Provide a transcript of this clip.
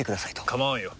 構わんよ。